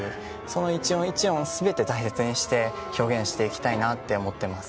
一音一音全て大切にして表現していきたいと思ってます。